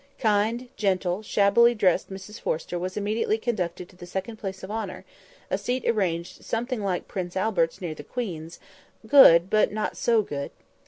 Kind, gentle, shabbily dressed Mrs Forrester was immediately conducted to the second place of honour—a seat arranged something like Prince Albert's near the Queen's—good, but not so good.